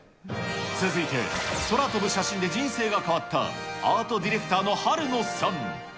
続いて、空飛ぶ写真で人生が変わった、アートディレクターのハルノさん。